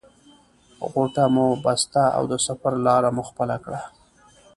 غوټه مو بسته او د سفر لاره مو خپله کړه.